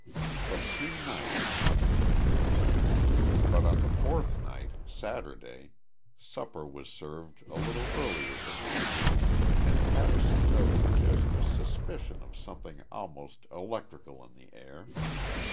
For three nights nothing occurred. But on the fourth night, Saturday, supper was served a little earlier than usual and Patterson noted just a suspicion of something almost electrical in the air.